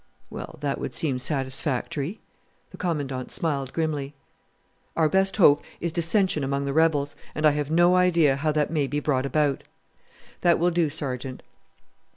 "Well, that would seem satisfactory." The Commandant smiled grimly. "Our best hope is dissension among the rebels, and I have no idea how that may be brought about. That will do, Sergeant."